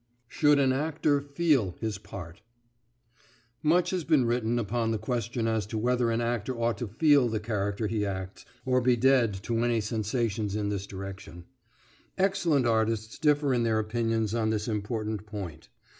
SHOULD AN ACTOR "FEEL" HIS PART Much has been written upon the question as to whether an actor ought to feel the character he acts, or be dead to any sensations in this direction. Excellent artists differ in their opinions on this important point.